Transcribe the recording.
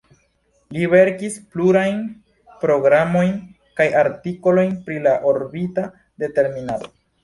Li verkis plurajn programojn kaj artikolojn pri la orbita determinado.